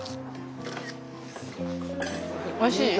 おいしい？